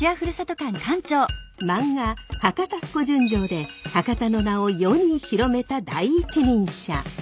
漫画「博多っ子純情」で博多の名を世に広めた第一人者。